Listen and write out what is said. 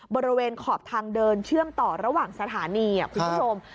บริเวณขอบทางเดินเชื่อมต่อระหว่างสถานีคุณผู้ชม